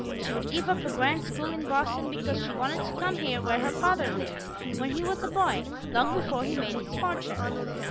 She would give up a grand school in Boston because she wanted to come here where her father lived when he was a boy, long before he made his fortune.